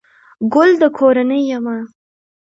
گل دکورنۍ يمه